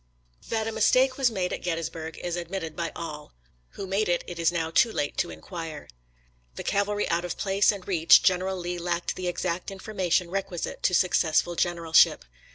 That a mistake was made at Gettysburg is admitted by all ; who made it it is now too late to inquire. The cavalry out of place and reach. General Lee lacked the exact information requi site to successful generalship.